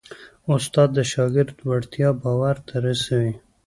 استاد د شاګرد وړتیا باور ته رسوي.